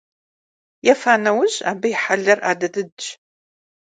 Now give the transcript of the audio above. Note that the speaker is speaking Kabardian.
Ефа нэужь абы и хьэлыр адыдыдщ.